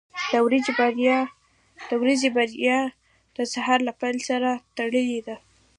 • د ورځې بریا د سهار له پیل سره تړلې ده.